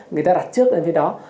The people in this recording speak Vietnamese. người ta đặt trước lên phía đó